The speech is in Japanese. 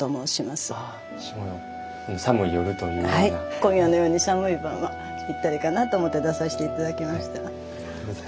今夜のように寒い晩はぴったりかなと思って出させて頂きました。